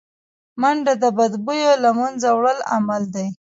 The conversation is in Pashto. منډه د بدبویو له منځه وړو عمل دی